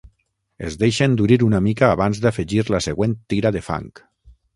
Es deixa endurir una mica abans d'afegir la següent tira de fang.